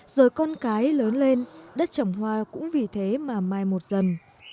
rồi con cái lớn lên đất trồng hoa cũng vì thế mà mai một dần